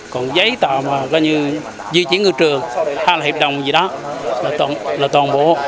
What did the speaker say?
còn giấy tạo mà coi như di chuyển ngư trường hay là hiệp đồng gì đó là toàn bộ